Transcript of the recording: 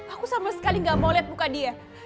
aku sama sekali gak mau liat muka dia